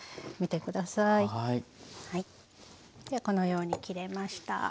このように切れました。